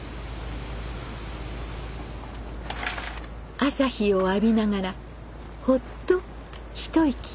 朝日を浴びながらほっと一息。